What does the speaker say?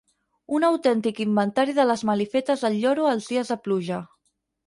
Un autèntic inventari de les malifetes del lloro els dies de pluja.